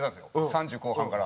３０後半から。